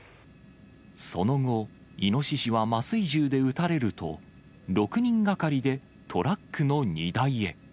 その後、イノシシは麻酔銃で撃たれると、６人がかりでトラックの荷台へ。